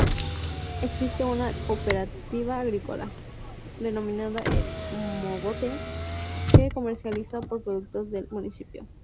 Existe una "Cooperativa agrícola" denominada El Mogote, que comercializa productos del municipio.